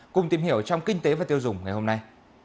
cùng tìm hiểu trong kinh tế và tiêu dùng ngày hôm nay